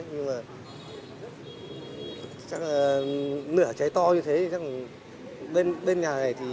nhưng mà chắc là nửa cháy to như thế chắc là bên nhà này